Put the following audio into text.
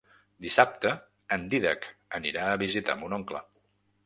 Dissabte en Dídac anirà a visitar mon oncle.